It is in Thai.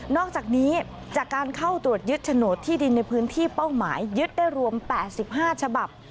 อกจากนี้จากการเข้าตรวจยึดโฉนดที่ดินในพื้นที่เป้าหมายยึดได้รวม๘๕ฉบับ